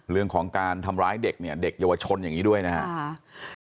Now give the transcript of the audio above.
เรื่องของการทำร้ายเด็กเนี่ยเด็กเยาวชนอย่างนี้ด้วยนะครับ